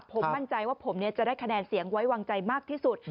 ผมมั่นใจว่าผมจะได้คะแนนเสียงไว้วางใจมากที่สุด